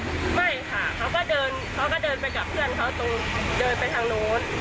ไม่ค่ะเขาก็เดินเขาก็เดินไปกับเพื่อนเขาตรงเดินไปทางนู้น